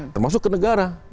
termasuk ke negara